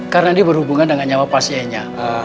karena ini berhubungan dengan nyawa pasiennya